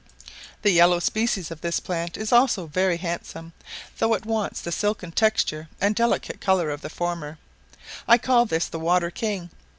The yellow species of this plant is also very handsome, though it wants the silken texture and delicate colour of the former; I call this the "water king."